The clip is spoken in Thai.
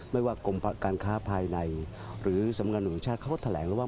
ไม่ว่ากลมการค้าภายในหรือสำนักงานหนุ่มชาติเขาตะแหลงว่า